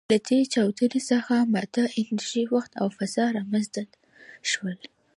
له دې چاودنې څخه ماده، انرژي، وخت او فضا رامنځ ته شول.